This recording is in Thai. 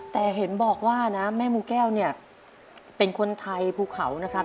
แต่เห็นบอกว่านะแม่มูแก้วเนี่ยเป็นคนไทยภูเขานะครับ